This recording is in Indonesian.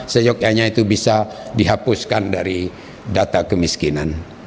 seyokianya itu bisa dihapuskan dari data kemiskinan